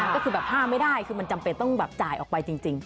ก็คือแบบห้ามไม่ได้คือมันจำเป็นต้องแบบจ่ายออกไปจริง